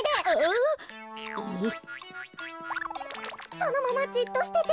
そのままじっとしてて。